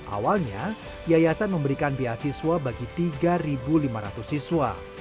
awalnya yayasan memberikan beasiswa bagi tiga lima ratus siswa